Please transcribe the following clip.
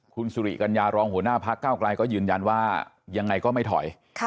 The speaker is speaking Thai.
คุณสุริกัญญารองหัวหน้าพักเก้าไกลก็ยืนยันว่ายังไงก็ไม่ถอย